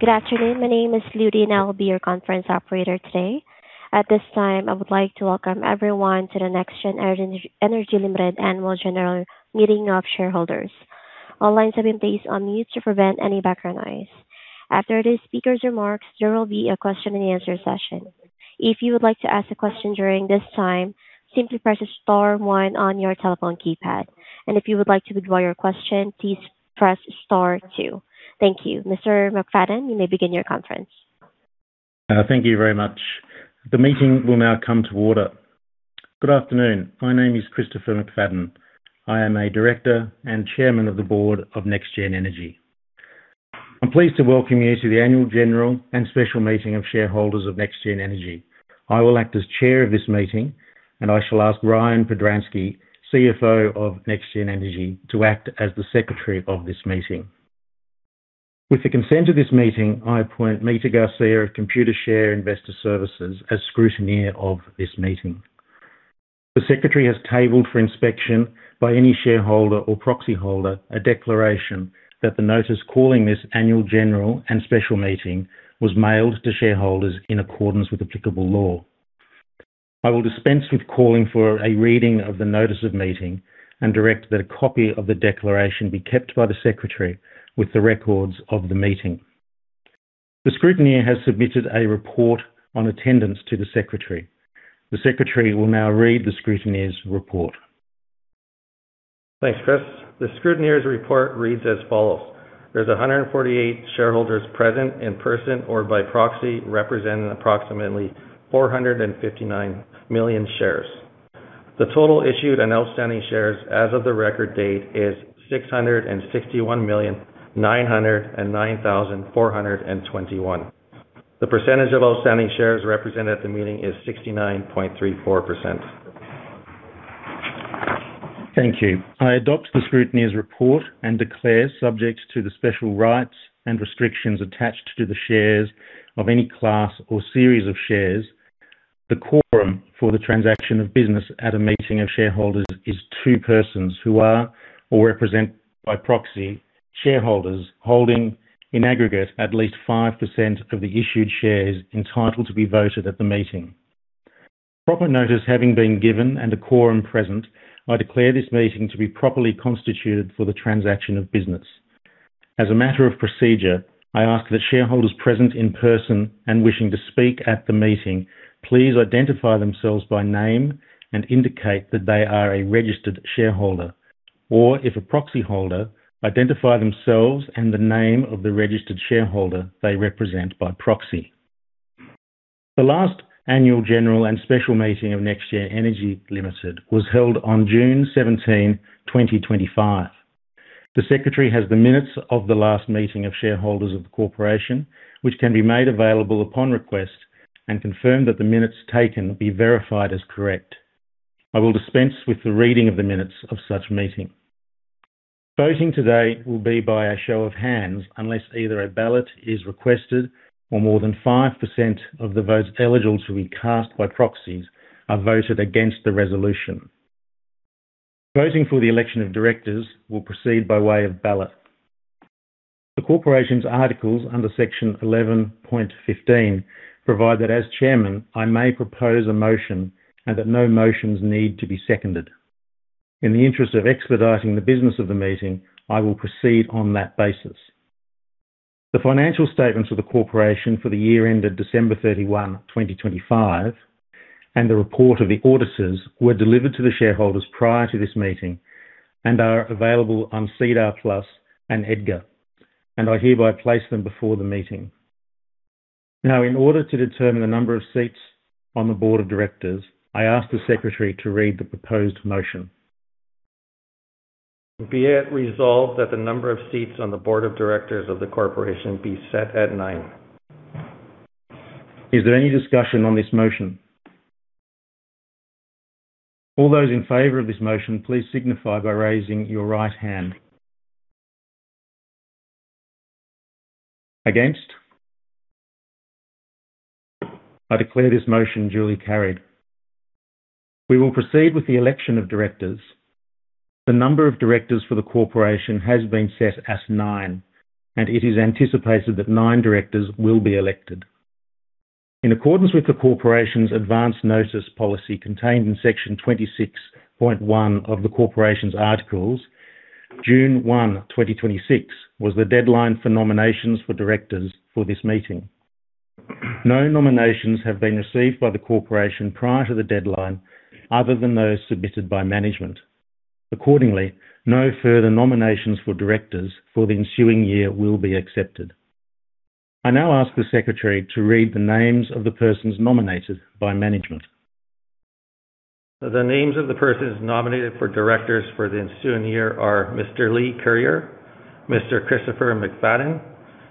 Good afternoon. My name is Judy, I will be your conference operator today. At this time, I would like to welcome everyone to the NexGen Energy Limited annual general meeting of shareholders. All lines have been placed on mute to prevent any background noise. After the speakers' remarks, there will be a question-and-answer session. If you would like to ask a question during this time, simply press star one on your telephone keypad. If you would like to withdraw your question, please press star two. Thank you. Mr. McFadden, you may begin your conference. Thank you very much. The meeting will now come to order. Good afternoon. My name is Christopher McFadden. I am a Director and Chairman of the Board of NexGen Energy. I'm pleased to welcome you to the annual general and special meeting of shareholders of NexGen Energy. I will act as Chair of this meeting, I shall ask Ryan Podrasky, CFO of NexGen Energy, to act as the Secretary of this meeting. With the consent of this meeting, I appoint Mita Garcia of Computershare Investor Services as scrutineer of this meeting. The Secretary has tabled for inspection by any shareholder or proxyholder a declaration that the notice calling this annual general and special meeting was mailed to shareholders in accordance with applicable law. I will dispense with calling for a reading of the notice of meeting and direct that a copy of the declaration be kept by the secretary with the records of the meeting. The scrutineer has submitted a report on attendance to the secretary. The secretary will now read the scrutineer's report. Thanks, Chris. The scrutineer's report reads as follows. There's 148 shareholders present in person or by proxy representing approximately 459 million shares. The total issued and outstanding shares as of the record date is 661 million, 909,000,421. The percentage of outstanding shares represented at the meeting is 69.34%. Thank you. I adopt the scrutineer's report and declare subject to the special rights and restrictions attached to the shares of any class or series of shares. The quorum for the transaction of business at a meeting of shareholders is two persons who are or represent by proxy shareholders holding in aggregate at least 5% of the issued shares entitled to be voted at the meeting. Proper notice having been given and a quorum present, I declare this meeting to be properly constituted for the transaction of business. As a matter of procedure, I ask that shareholders present in person and wishing to speak at the meeting, please identify themselves by name and indicate that they are a registered shareholder. Or if a proxyholder, identify themselves and the name of the registered shareholder they represent by proxy. The last annual general and special meeting of NexGen Energy Limited. was held on June 17, 2025. The secretary has the minutes of the last meeting of shareholders of the corporation, which can be made available upon request and confirmed that the minutes taken be verified as correct. I will dispense with the reading of the minutes of such meeting. Voting today will be by a show of hands unless either a ballot is requested or more than 5% of the votes eligible to be cast by proxies are voted against the resolution. Voting for the election of directors will proceed by way of ballot. The corporation's articles under Section 11.15 provide that as chairman, I may propose a motion and that no motions need to be seconded. In the interest of expediting the business of the meeting, I will proceed on that basis. The financial statements of the corporation for the year ended December 31, 2025, and the report of the auditors were delivered to the shareholders prior to this meeting and are available on SEDAR+ and EDGAR, and I hereby place them before the meeting. Now, in order to determine the number of seats on the board of directors, I ask the secretary to read the proposed motion. Be it resolved that the number of seats on the board of directors of the corporation be set at nine. Is there any discussion on this motion? All those in favor of this motion, please signify by raising your right hand. Against? I declare this motion duly carried. We will proceed with the election of directors. The number of directors for the corporation has been set as nine, and it is anticipated that nine directors will be elected. In accordance with the corporation's advance notice policy contained in Section 26.1 of the corporation's articles, June 1, 2026, was the deadline for nominations for directors for this meeting. No nominations have been received by the corporation prior to the deadline other than those submitted by management. Accordingly, no further nominations for directors for the ensuing year will be accepted. I now ask the secretary to read the names of the persons nominated by management. The names of the persons nominated for directors for the ensuing year are Mr. Leigh Curyer, Mr. Christopher McFadden,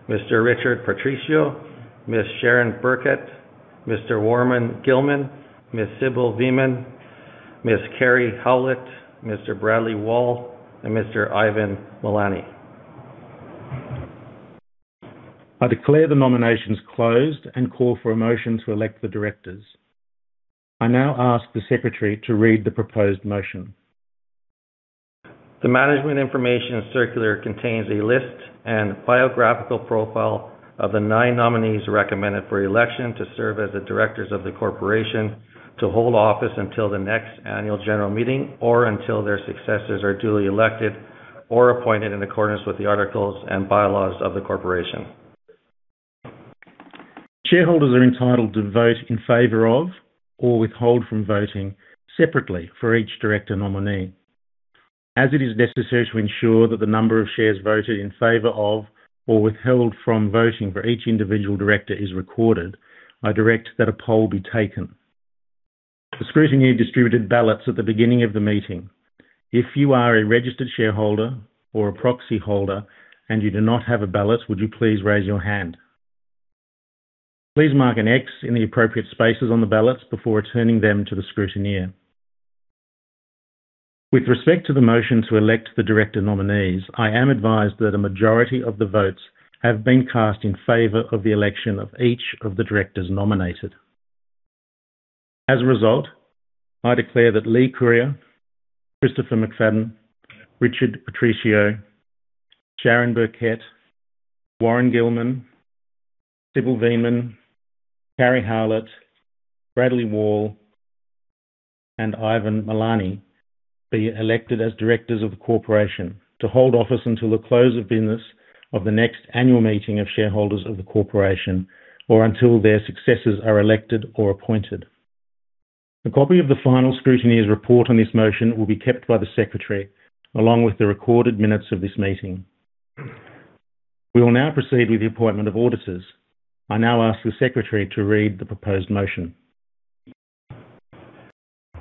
Mr. Richard Patricio, Ms. Sharon Birkett, Mr. Warren Gilman, Ms. Sybil Veenman, Ms. Karri Howlett, Mr. Brad Wall, and Mr. Ivan Mullany. I declare the nominations closed and call for a motion to elect the directors. I now ask the secretary to read the proposed motion The management information circular contains a list and biographical profile of the nine nominees recommended for election to serve as the directors of the corporation to hold office until the next annual general meeting or until their successors are duly elected or appointed in accordance with the articles and bylaws of the corporation. Shareholders are entitled to vote in favor of or withhold from voting separately for each director nominee. As it is necessary to ensure that the number of shares voted in favor of or withheld from voting for each individual director is recorded, I direct that a poll be taken. The scrutineer distributed ballots at the beginning of the meeting. If you are a registered shareholder or a proxy holder and you do not have a ballot, would you please raise your hand? Please mark an X in the appropriate spaces on the ballots before returning them to the scrutineer. With respect to the motion to elect the director nominees, I am advised that a majority of the votes have been cast in favor of the election of each of the directors nominated. As a result, I declare that Leigh Curyer, Christopher McFadden, Richard Patricio, Sharon Birkett, Warren Gilman, Sybil Veenman, Karri Howlett, Brad Wall, and Ivan Mullany be elected as directors of the corporation to hold office until the close of business of the next annual meeting of shareholders of the corporation, or until their successors are elected or appointed. A copy of the final scrutineer's report on this motion will be kept by the secretary, along with the recorded minutes of this meeting. We will now proceed with the appointment of auditors. I now ask the Secretary to read the proposed motion.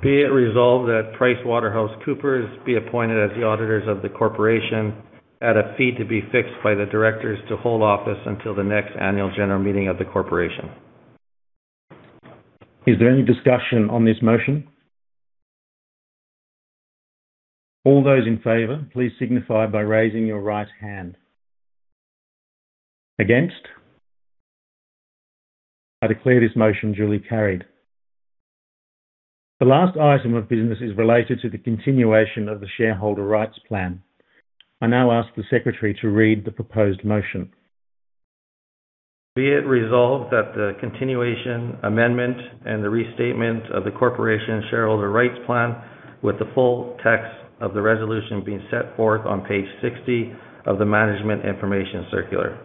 Be it resolved that PricewaterhouseCoopers be appointed as the auditors of the corporation at a fee to be fixed by the directors to hold office until the next annual general meeting of the corporation. Is there any discussion on this motion? All those in favor, please signify by raising your right hand. Against? I declare this motion duly carried. The last item of business is related to the continuation of the shareholder rights plan. I now ask the Secretary to read the proposed motion. Be it resolved that the continuation amendment and the restatement of the corporation shareholder rights plan, with the full text of the resolution being set forth on page 60 of the management information circular.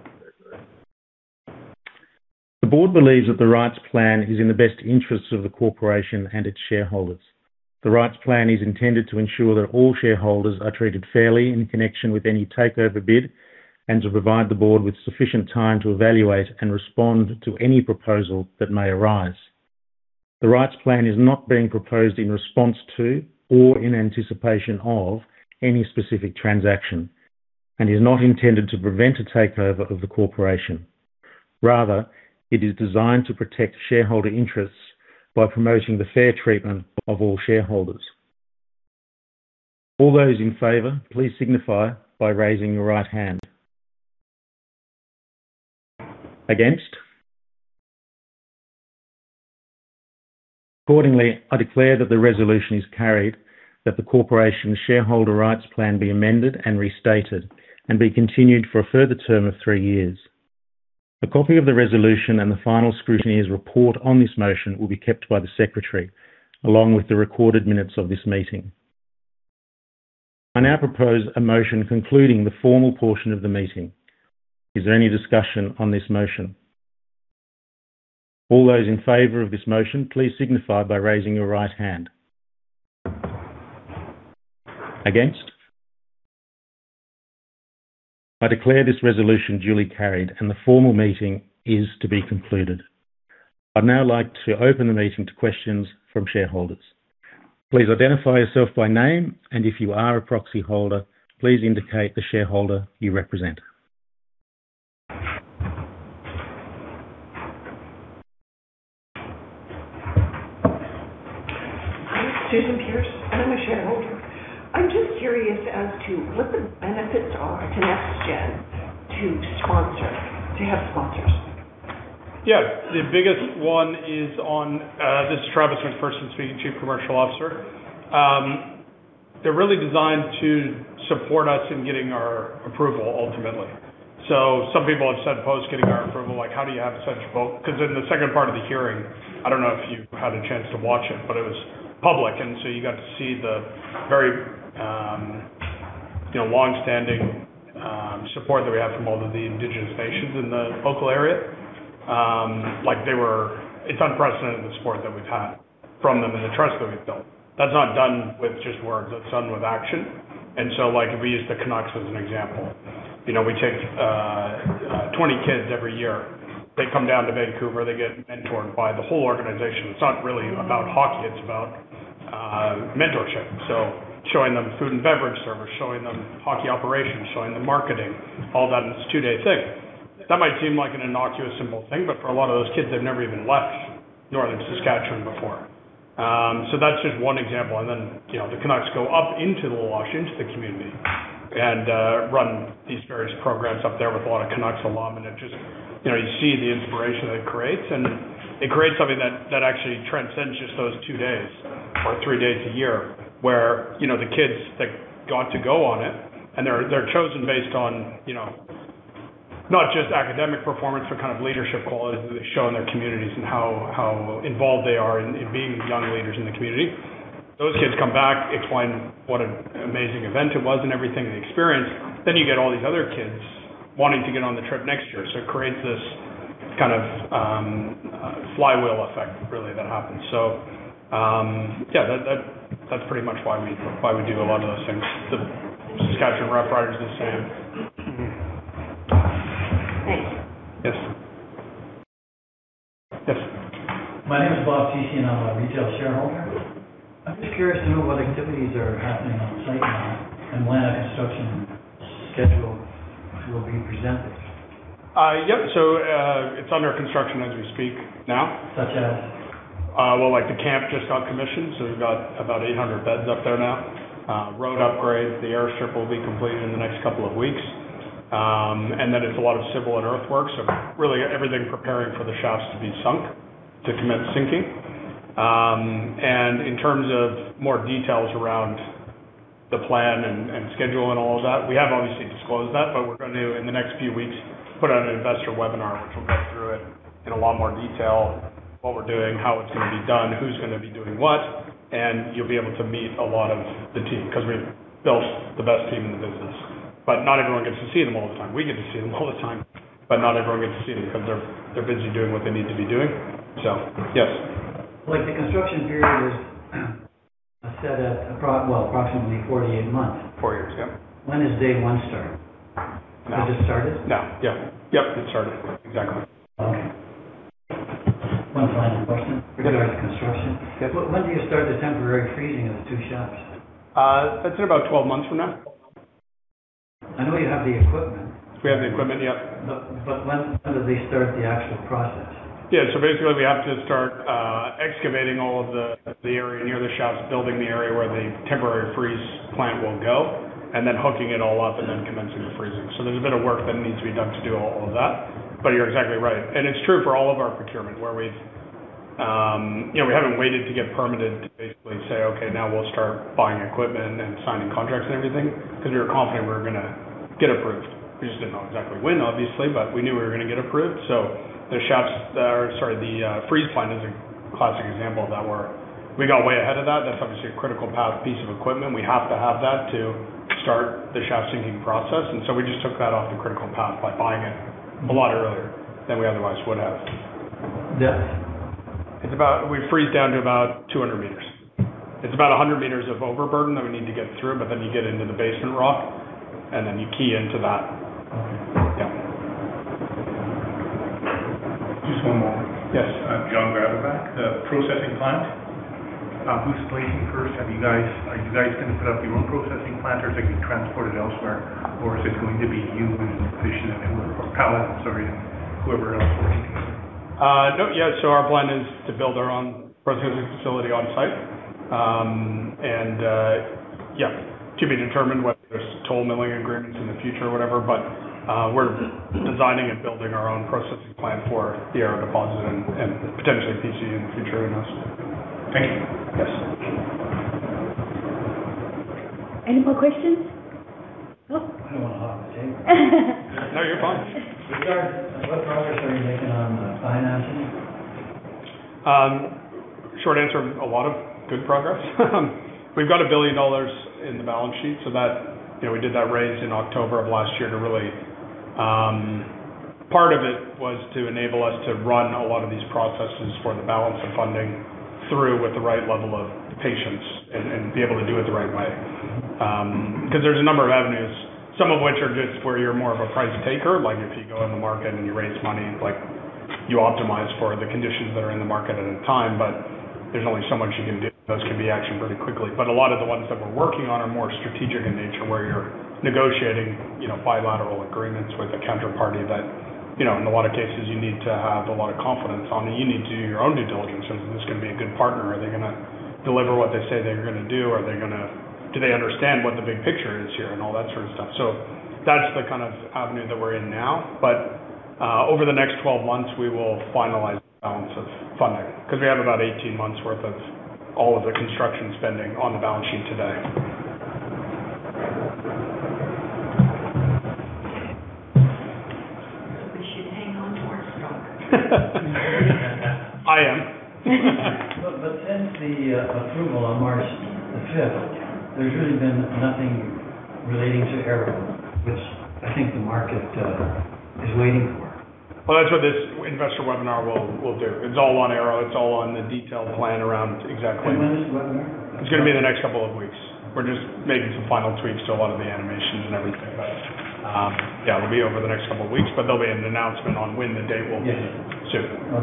The board believes that the rights plan is in the best interests of the corporation and its shareholders. The rights plan is intended to ensure that all shareholders are treated fairly in connection with any takeover bid and to provide the board with sufficient time to evaluate and respond to any proposal that may arise. The rights plan is not being proposed in response to, or in anticipation of, any specific transaction, and is not intended to prevent a takeover of the corporation. Rather, it is designed to protect shareholder interests by promoting the fair treatment of all shareholders. All those in favor, please signify by raising your right hand. Against? Accordingly, I declare that the resolution is carried that the corporation shareholder rights plan be amended and restated and be continued for a further term of three years. A copy of the resolution and the final scrutineer's report on this motion will be kept by the secretary, along with the recorded minutes of this meeting. I now propose a motion concluding the formal portion of the meeting. Is there any discussion on this motion? All those in favor of this motion, please signify by raising your right hand. Against? I declare this resolution duly carried and the formal meeting is to be concluded. I'd now like to open the meeting to questions from shareholders. Please identify yourself by name, and if you are a proxy holder, please indicate the shareholder you represent. I'm [Susan Pierce], and I'm a shareholder. I'm just curious as to what the benefits are to NexGen to have sponsors. This is Travis McPherson speaking, Chief Commercial Officer. They're really designed to support us in getting our approval ultimately. Some people have said post getting our approval, "How do you have such vote?" In the second part of the hearing, I don't know if you had a chance to watch it, but it was public, you got to see the very longstanding support that we have from all of the indigenous nations in the local area. It's unprecedented, the support that we've had from them and the trust that we've built. That's not done with just words, that's done with action. If we use the Vancouver Canucks as an example, we take 20 kids every year. They come down to Vancouver. They get mentored by the whole organization. It's not really about hockey, it's about mentorship. Showing them food and beverage service, showing them hockey operations, showing them marketing, all done in this two-day thing. That might seem like an innocuous, simple thing, for a lot of those kids, they've never even left northern Saskatchewan before. That's just one example. The Vancouver Canucks go up into La Loche, into the community and run these various programs up there with a lot of Vancouver Canucks alum. It just, you see the inspiration it creates, and it creates something that actually transcends just those two days or three days a year where the kids that got to go on it, and they're chosen based on not just academic performance, but leadership qualities that they show in their communities and how involved they are in being young leaders in the community. Those kids come back, explain what an amazing event it was and everything, and the experience. You get all these other kids wanting to get on the trip next year. It creates this flywheel effect really that happens. That's pretty much why we do a lot of those things. The Saskatchewan Roughriders is the same. Thanks. Yes. Yes. My name is [Bob T.C.] I'm a retail shareholder. I'm just curious to know what activities are happening on site now and when a construction schedule will be presented. Yep. It's under construction as we speak now. Such as? Well, the camp just got commissioned. We've got about 800 beds up there now. Road upgrade, the airstrip will be completed in the next couple of weeks. Then it's a lot of civil and earthworks. Really everything preparing for the shafts to be sunk, to commit sinking. In terms of more details around the plan and schedule and all of that, we have obviously disclosed that. We're going to, in the next few weeks, put out an investor webinar, which will go through it in a lot more detail, what we're doing, how it's going to be done, who's going to be doing what, and you'll be able to meet a lot of the team because we've built the best team in the business. Not everyone gets to see them all the time. We get to see them all the time, but not everyone gets to see them because they're busy doing what they need to be doing. Yes. The construction period is set at approximately 48 months. Four years, yeah. When does day one start? Now. Has it started? Now. Yeah. It's started. Exactly. Okay. One final question. Okay Regarding the construction. Yep. When do you start the temporary freezing of the two shafts? I'd say about 12 months from now. I know you have the equipment. We have the equipment, yep. When do they start the actual process? Yeah. Basically, we have to start excavating all of the area near the shafts, building the area where the temporary freeze plant will go, hooking it all up and then commencing the freezing. There's a bit of work that needs to be done to do all of that. You're exactly right. It's true for all of our procurement where we haven't waited to get permitted to basically say, "Okay, now we'll start buying equipment and signing contracts and everything," because we were confident we were going to get approved. We just didn't know exactly when, obviously, but we knew we were going to get approved. The freeze plant is a classic example that we got way ahead of that. That's obviously a critical path piece of equipment. We have to have that to start the shaft-sinking process. We just took that off the critical path by buying it a lot earlier than we otherwise would have. Depth? We freeze down to about 200 m. It's about 100 m of overburden that we need to get through, you get into the basement rock, you key into that. Okay. Yeah. Just one more. Yes. [John Graubak]. The processing plant, who's leasing first? Are you guys going to put up your own processing plant, or is it going to be transported elsewhere? Is it going to be you and Fission that do it, or Paladin and whoever else? Our plan is to build our own processing facility on-site. Yeah, to be determined whether there's toll milling agreements in the future or whatever. We're designing and building our own processing plant for the Arrow deposit and potentially PC in the future who knows. Thank you. Yes. Any more questions? Nope. I don't want to hog the table. No, you're fine. Richard, what progress are you making on financing? Short answer, a lot of good progress. We've got 1 billion dollars in the balance sheet. We did that raise in October of last year. Part of it was to enable us to run a lot of these processes for the balance of funding through with the right level of patience and be able to do it the right way. There's a number of avenues, some of which are just where you're more of a price taker. If you go in the market and you raise money, you optimize for the conditions that are in the market at the time, but there's only so much you can do. Those can be actioned pretty quickly. A lot of the ones that we're working on are more strategic in nature, where you're negotiating bilateral agreements with a counterparty that, in a lot of cases, you need to have a lot of confidence on, and you need to do your own due diligence. Are they going to be a good partner? Are they going to deliver what they say they're going to do? Do they understand what the big picture is here and all that sort of stuff. That's the kind of avenue that we're in now. Over the next 12 months, we will finalize the balance of funding because we have about 18 months' worth of all of the construction spending on the balance sheet today. We should hang on to our stock. I am. Since the approval on March the 5th, there's really been nothing relating to Arrow, which I think the market is waiting for. Well, that's what this investor webinar will do. It's all on Arrow. It's all on the detailed plan around exactly. When is the webinar? It's going to be in the next couple of weeks. We're just making some final tweaks to a lot of the animations and everything. Yeah, it'll be over the next couple of weeks, there'll be an announcement on when the date will be soon. Okay.